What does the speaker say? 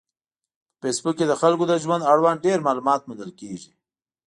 په فېسبوک کې د خلکو د ژوند اړوند ډېر معلومات موندل کېږي.